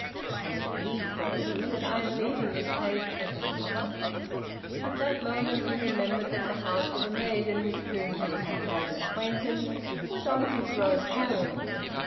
"Can it be," thought he, "that I am leaving this place as a lover?" At that moment he remembered that the house of a maiden with whom he had had an acquaintance was on his road home.